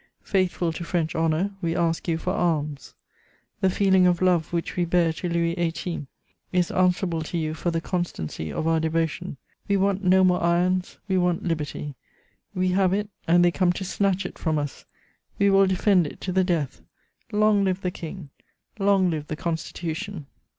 Faithful to French honour, we ask you for arms. The feeling of love which we bear to Louis XVIII. is answerable to you for the constancy of our devotion. We want no more irons, we want liberty. We have it, and they come to snatch it from us. We will defend it to the death. Long live the King! Long live the Constitution!"